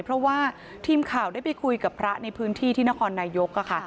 เพราะว่าทีมข่าวได้ไปคุยกับพระในพื้นที่ที่นครนายก